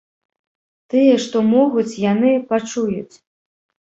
Тыя, што могуць, яны пачуюць.